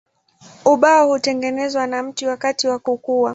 Ubao hutengenezwa na mti wakati wa kukua.